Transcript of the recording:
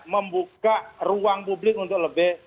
membuka ruang publik untuk lebih